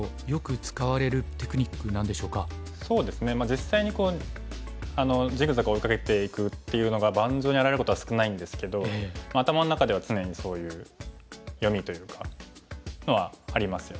実際にこうジグザグ追いかけていくっていうのが盤上に現れることは少ないんですけど頭の中では常にそういう読みというかのはありますよね。